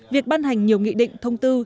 việc ban hành nhiều nghị định thông tư